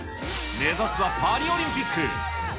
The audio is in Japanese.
目指すはパリオリンピック。